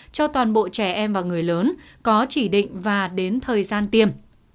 cho toàn bộ trẻ em và người lớn có chỉ định và đến thời gian tiêm